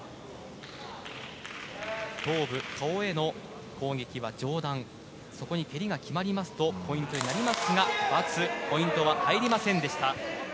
頭部、顔への攻撃は上段そこに蹴りが決まりますとポイントになりますがバツポイントは入りませんでした。